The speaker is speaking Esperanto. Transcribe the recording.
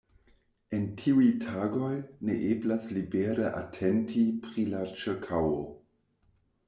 En tiuj tagoj, ne eblas libere atenti pri la ĉirkaŭo.